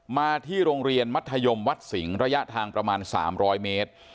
มาที่โรงเรียนมัธยมวัดสิงห์ระยะทางประมาณ๓๐๐เมตร